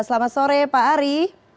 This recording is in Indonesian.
selamat sore pak ari